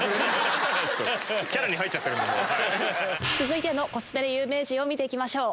続いてのコスプレ有名人を見て行きましょう。